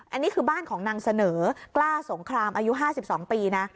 อันนี้คือบ้านของนางเสนอกล้าสงครามอายุ๕๒ปีนะ